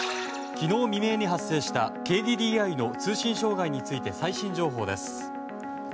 昨日未明に発生したＫＤＤＩの通信障害について最新情報です。